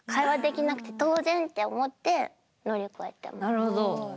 なるほど。